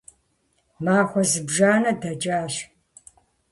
Махуэ зыбжанэ дэкӀащ.